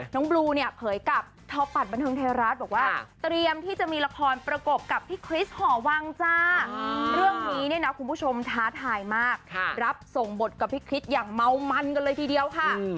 น้องบลูเนี่ยเผยกับท้อปัดบรรเทิงเทราราชบอกว่า